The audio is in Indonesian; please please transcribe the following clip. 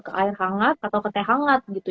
ke air hangat atau ke teh hangat gitu